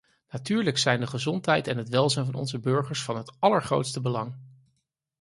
Natuurlijk zijn de gezondheid en het welzijn van onze burgers van het allergrootste belang.